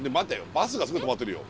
バスがすごい止まってるよ。